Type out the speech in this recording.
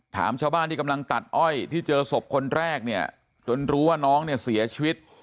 ถามชาวบ้านที่กำลังตัดอ้อยที่เจอศพคนแรกเนี่ยจนรู้ว่าน้องเนี่ยเสียชีวิต